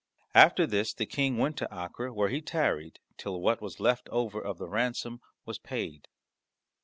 After this the King went to Acre, where he tarried till what was left over of the ransom was paid.